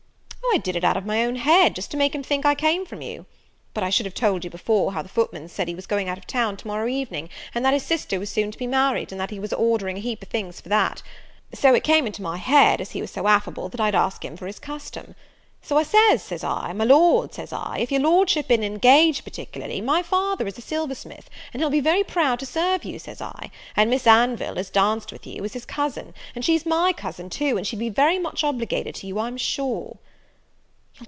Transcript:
"O, I did it out of my own head, just to make him think I came from you. But I should have told you before, how the footman said he was going out of town to morrow evening, and that his sister was soon to be married, and that he was a ordering a heap of things for that; so it come into my head, as he was so affable, that I'd ask him for his custom. So I says, says I, my Lord, says I, if your Lordship i'n't engaged particularly, my father is a silversmith, and he'll be very proud to serve you, says I; and Miss Anville, as danced with you, is his cousin, and she's my cousin too, and she'd be very much obligated to you, I'm sure."